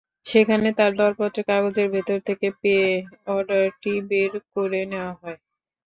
সেখানে তাঁর দরপত্রের কাগজের ভেতর থেকে পে-অর্ডারটি বের করে নেওয়া হয়।